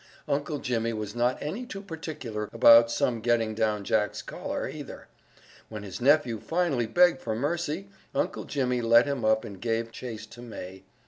Uncle Jimmy was not any too particular about some getting down Jack's collar, either. When his nephew finally begged for mercy Uncle Jimmy let him up and gave chase to May.